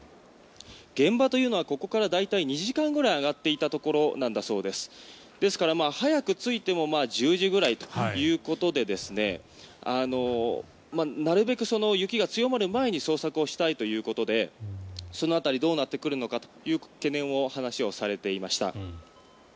現場というのはここから大体２時間ぐらい上がっていったところだそうでですから、早くついても１０時ぐらいということでなるべく雪が強まる前に捜索をしたいということでその辺りどうなってくるのかという懸念の話をされていました。